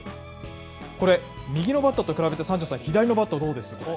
これ、右のバットと比べて、三條さん、左のバットどうですか？